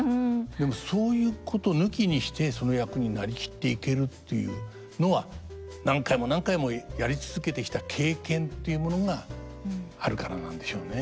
でもそういうこと抜きにしてその役になりきっていけるというのは何回も何回もやり続けてきた経験というものがあるからなんでしょうね。